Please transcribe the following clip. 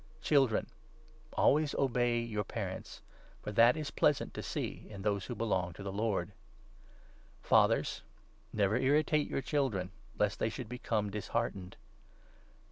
Children, always obey your parents ; for that is pleasant to 20 see in those who belong to the Lord. Fathers, never 21 irritate your children, lest they should become disheartened.